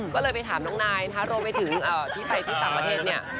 เขาเลยไปถามน้องในนะคะรวมทุกคนเท่าไหร่ที่ต่างประเทศเนี่ย